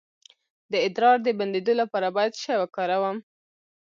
د ادرار د بندیدو لپاره باید څه شی وکاروم؟